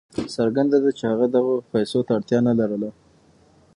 څرګنده ده چې هغه دغو پیسو ته اړتیا نه لرله.